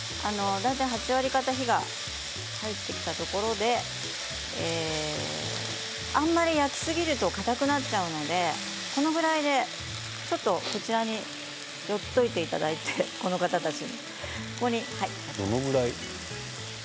８割方火が入ってきたところであまり焼きすぎるとかたくなっちゃうので、このぐらいでちょっとこちらに寄せていただいてこの方たち。